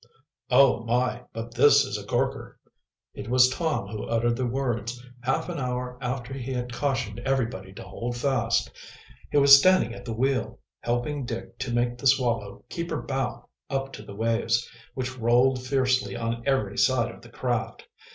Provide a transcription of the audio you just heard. "Oh, my, but this is a corker!" It was Tom who uttered the words, half an hour after he had cautioned everybody to hold fast. He was standing at the wheel, helping Dick to make the Swallow keep her bow up to the waves, which rolled fiercely on every side of the craft.